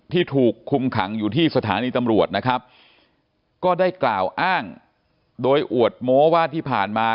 ถูกคุมขังอยู่ที่สถานีตำรวจนะครับก็ได้กล่าวอ้างโดยอวดโม้ว่าที่ผ่านมา